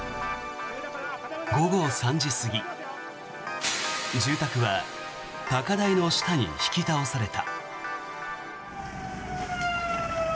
午後３時過ぎ住宅は高台の下に引き倒された。